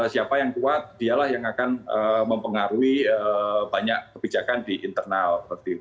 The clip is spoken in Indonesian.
siapa yang kuat dialah yang akan mempengaruhi banyak kebijakan di internal